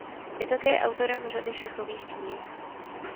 Je také autorem řady šachových knih.